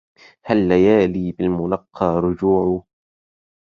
هل ليالي بالمنقى رجوع